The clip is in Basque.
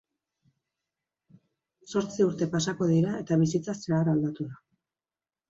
Zortzi urte pasako dira eta bizitza zeharo aldatu da...